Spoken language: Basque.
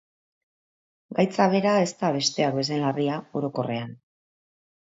Gaitza bera ez da besteak bezain larria, orokorrean.